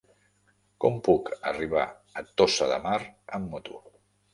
Com puc arribar a Tossa de Mar amb moto?